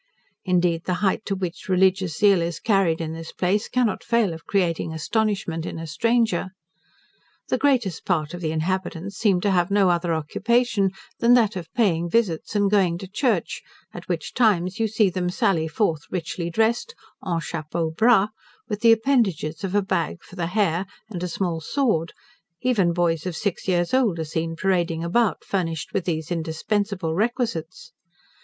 Indeed, the height to which religious zeal is carried in this place, cannot fail of creating astonishment in a stranger. The greatest part of the inhabitants seem to have no other occupation, than that of paying visits and going to church, at which times you see them sally forth richly dressed, en chapeau bras, with the appendages of a bag for the hair, and a small sword: even boys of six years old are seen parading about, furnished with these indispensable requisites.